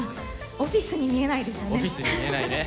オフィスに見えないね。